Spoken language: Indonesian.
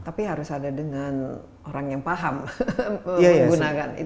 tapi harus ada dengan orang yang paham menggunakan